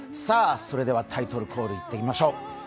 それではタイトルコール、いきましょう。